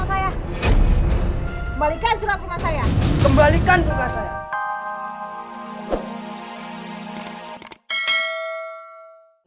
kembalikan semua rumah saya